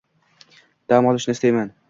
Dam olishni istayman.